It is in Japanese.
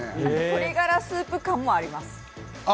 鶏ガラスープ感もあります。